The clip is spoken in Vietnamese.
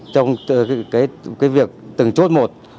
trong việc từng chốt một